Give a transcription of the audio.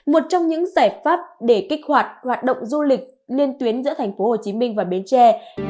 một trong những giải pháp để kích hoạt hoạt động du lịch liên tuyến giữa thành phố hồ chí minh và bến tre